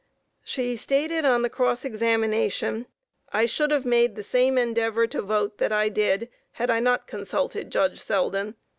A. She stated on the cross examination, "I should have made the same endeavor to vote that I did had I not consulted Judge Selden.